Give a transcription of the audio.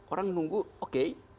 orang nunggu oke